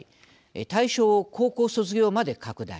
対象を高校卒業まで拡大。